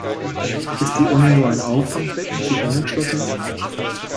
Ist die Uni nur ein Auffangbecken für Unentschlossene?